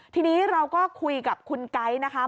ทีนี้เราก็คุยกับคุณไก๊นะคะ